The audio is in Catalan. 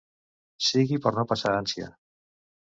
Sigui per no passar ànsia.